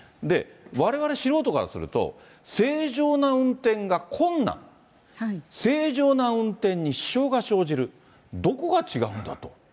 われわれ素人からすると、正常な運転が困難、正常な運転に支障が生じる、どこが違うんだと。